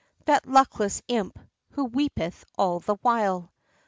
that luckless imp, who weepeth all the while!